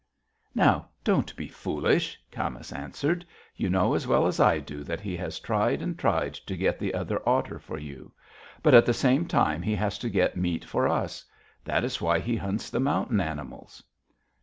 "'Now, don't be foolish!' Camas answered. 'You know as well as I do that he has tried and tried to get the other otter for you. But at the same time he has to get meat for us: that is why he hunts the mountain animals.'